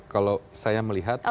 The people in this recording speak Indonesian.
kalau saya melihat